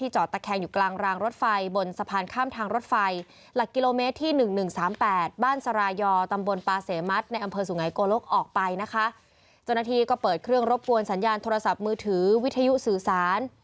เจ้าหน้าที่ก็เปิดเครื่องรบกวนสัญญาณโทรศัพท์มือถือวิทยุสื่อสาร